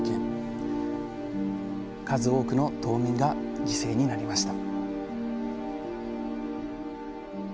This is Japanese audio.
数多くの島民が犠牲になりました